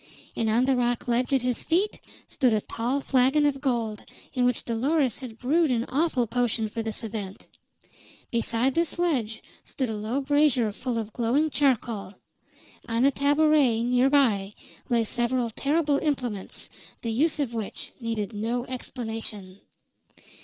And on the rock ledge at his feet stood a tall flagon of gold, in which Dolores had brewed an awful potion for this event. Beside this ledge stood a low brazier full of glowing charcoal; on a tabouret near by lay several terrible implements the use of which needed no explanation.